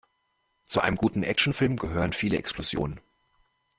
Zu einem guten Actionfilm gehören viele Explosionen.